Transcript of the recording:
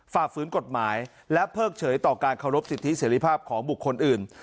ฝ่าฝืนกฎหมายและเพิกเฉยต่อการเคารพสิทธิเสรีภาพของบุคคลอื่น